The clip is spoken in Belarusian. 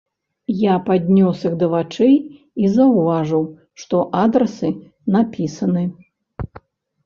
Я паднёс іх да вачэй і заўважыў, што адрасы напісаны.